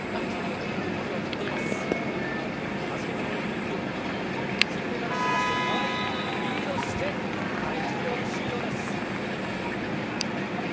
初めてのオリンピック、金メダルを目指している川井、リードして第１ピリオドを終了です。